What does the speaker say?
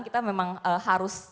kita memang harus